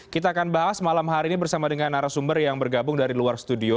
kita akan bahas malam hari ini bersama dengan narasumber yang bergabung dari luar studio